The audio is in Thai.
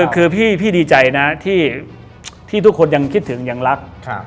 คือพี่ดีใจนะที่ทุกคนยังคิดถึงยังรัก